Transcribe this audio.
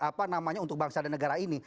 apa namanya untuk bangsa dan negara ini